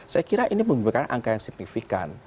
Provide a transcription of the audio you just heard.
saya kira ini memberikan angka yang signifikan